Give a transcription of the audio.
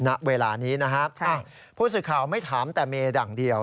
ณเวลานี้นะครับพูดสิทธิ์ข่าวไม่ถามแต่เมย์ดังเดียว